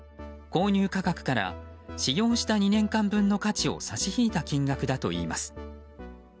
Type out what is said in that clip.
購入価格から使用した２年間分の価値を差し引いた金額だといいます。